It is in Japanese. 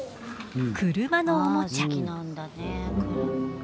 車のおもちゃ。